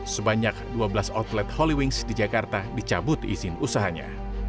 sebanyak dua belas outlet holy wings di jakarta dicabut izin usahanya